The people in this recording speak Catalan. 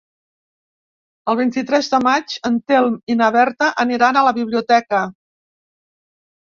El vint-i-tres de maig en Telm i na Berta aniran a la biblioteca.